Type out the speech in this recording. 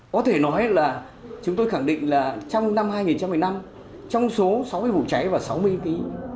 có thể nói là chúng tôi khẳng định là trong năm hai nghìn một mươi năm trong số sáu mươi vụ cháy và sáu mươi kg